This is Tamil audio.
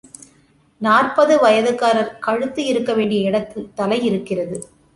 நாற்பது வயதுக்காரர் கழுத்து இருக்க வேண்டிய இடத்தில் தலை இருக்கிறது.